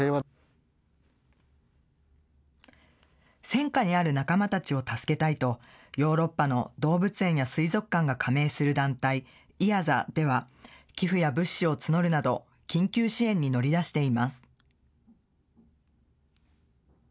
戦火にある仲間たちを助けたいと、ヨーロッパの動物園や水族館が加盟する団体、ＥＡＺＡでは、寄付や物資を募るなど、緊急支援に乗り出しています。